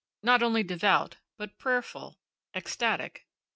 Not only devout, but prayerful, ecstatic.